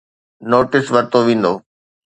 Notice ورتو ويندو.